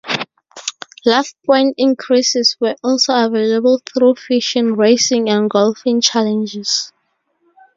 Laff Point increases were also available through fishing, racing and golfing challenges.